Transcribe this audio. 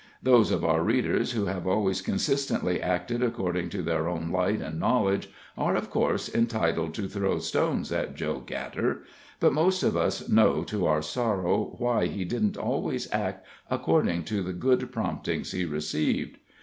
Those of our readers who have always consistently acted according to their own light and knowledge are, of course, entitled to throw stones at Joe Gatter; but most of us know to our sorrow why he didn't always act according to the good promptings he received.